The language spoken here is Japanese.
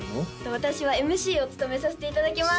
私はＭＣを務めさせていただきます